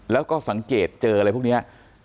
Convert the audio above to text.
แล้วก็สังเกตเจออะไรพวกนี้